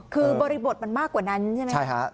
คือบริบทมันมากกว่านั้นใช่ไหม